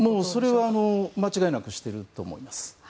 それは間違いなくしてると思います。